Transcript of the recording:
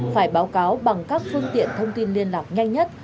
phải báo cáo bằng các phương tiện thông tin liên lạc nhanh nhất